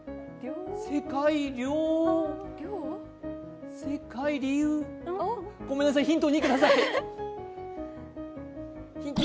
世界りょうごめんなさい、ヒント２ください。